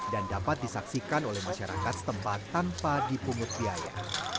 dan dapat disaksikan oleh masyarakat setempat tanpa dipungut biaya